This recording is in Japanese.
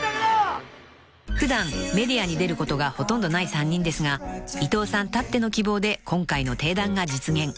［普段メディアに出ることがほとんどない３人ですが伊藤さんたっての希望で今回の鼎談が実現］